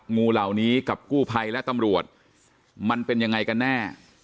งูเหล่านี้กับกู้ภัยและตำรวจมันเป็นยังไงกันแน่